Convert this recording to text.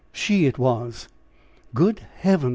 She it was." "Good heaven!"